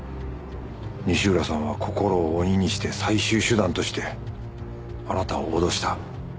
西浦さんは心を鬼にして最終手段としてあなたを脅した。